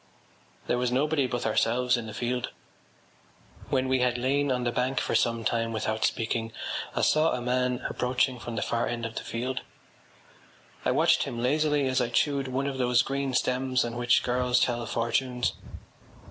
There was nobody but ourselves in the field. When we had lain on the bank for some time without speaking I saw a man approaching from the far end of the field. I watched him lazily as I chewed one of those green stems on which girls tell fortunes.